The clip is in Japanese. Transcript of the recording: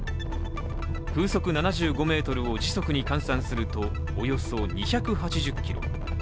風速７５メートルを時速に換算するとおよそ２８０キロ。